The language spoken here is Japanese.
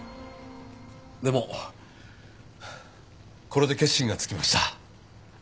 でもこれで決心がつきました。